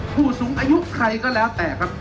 ผู้สูงอายุใครก็แล้วแต่ครับ